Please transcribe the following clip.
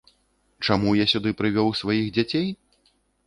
Чаму я сюды прывёў сваіх дзяцей?